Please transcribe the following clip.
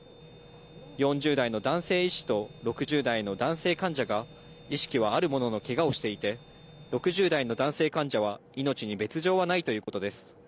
４０代の男性医師と、６０代の男性患者が、意識はあるもののけがをしていて、６０代の男性患者は、命に別状はないということです。